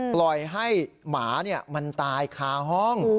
ปล่อยให้หมามันตายคาห้อง